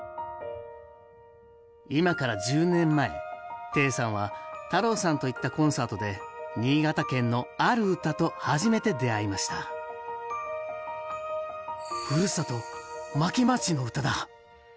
今から１０年前貞さんは太朗さんと行ったコンサートで新潟県のある唄と初めて出会いました「ふるさと巻町の唄だ」。